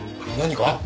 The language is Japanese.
何か？